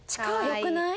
良くない？